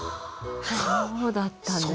はあそうだったんですか。